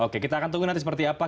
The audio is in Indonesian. oke kita akan tunggu nanti seperti apa